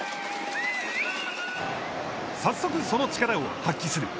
早速その力を発揮する。